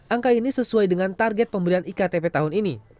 angka ini sesuai dengan target pemberian iktp tahun ini